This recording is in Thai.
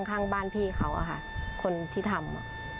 ข้างบ้านพี่เขาอะค่ะคนที่ทำ